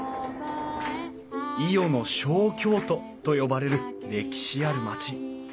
伊予の小京都と呼ばれる歴史ある町。